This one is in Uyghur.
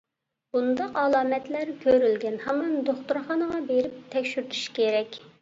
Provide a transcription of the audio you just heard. بۇنداق ئالامەتلەر كۆرۈلگەن ھامان دوختۇرخانىغا بېرىپ تەكشۈرتۈش كېرەك.